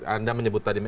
anda menyebut tadi